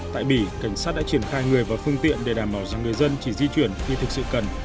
tại bỉ cảnh sát đã triển khai người và phương tiện để đảm bảo rằng người dân chỉ di chuyển khi thực sự cần